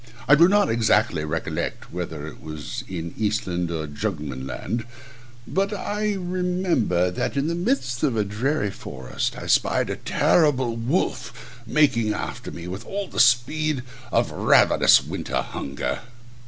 I do not exactly recollect whether it was in Eastland or Jugemanland, but I remember that in the midst of a dreary forest I spied a terrible wolf making after me, with all the speed of ravenous winter hunger.